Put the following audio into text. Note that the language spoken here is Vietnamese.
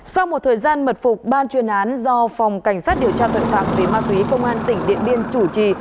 sau một thời gian mật phục ban chuyên án do phòng cảnh sát điều tra tội phạm về ma túy công an tỉnh điện biên chủ trì